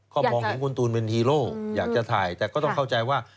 มองของคุณตูนเป็นฮีโร่อยากจะถ่ายแต่ก็ต้องเข้าใจว่า